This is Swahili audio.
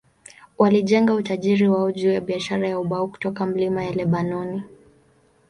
Walijenga utajiri wao juu ya biashara ya ubao kutoka milima ya Lebanoni.